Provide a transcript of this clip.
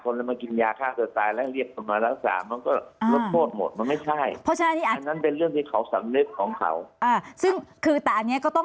แต่ไม่งั้นอย่าเป็นเรื่องว่า